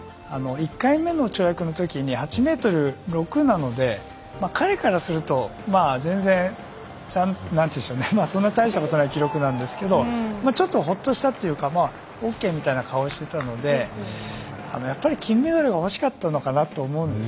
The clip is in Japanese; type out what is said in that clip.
１回目の跳躍のときに８ｍ６なので彼からすると全然そんなに大したことない記録なんですがちょっとほっとしたというかオーケーという顔をしていたのでやっぱり金メダルが欲しかったのかなと思うんです。